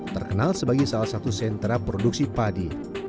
terkenal sebagai salah satu sentra produksi padi